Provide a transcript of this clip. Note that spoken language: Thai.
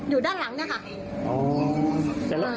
อยู่ด้านหลังนะคะ